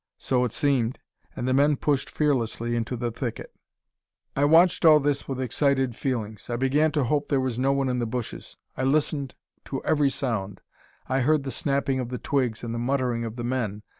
So it seemed; and the men pushed fearlessly into the thicket. I watched all this with excited feelings. I began to hope there was no one in the bushes. I listened to every sound; I heard the snapping of the twigs and the muttering of the men.